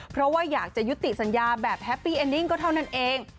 เพราะว่าอยากจะยุติสัญญาแบบแฮปปี้เอ็นดิ้งก็เท่านั้นเอง